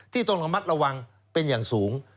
ต้องระมัดระวังเป็นอย่างสูง